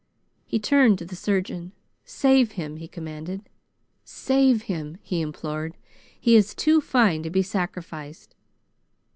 He turned to the surgeon. "Save him!" he commanded. "Save him!" he implored. "He is too fine to be sacrificed."